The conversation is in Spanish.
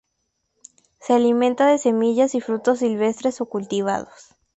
Se alimenta de semillas y frutos silvestres o cultivados.